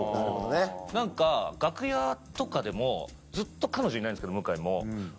何か楽屋とかでもずっと彼女いないんですけど向井も。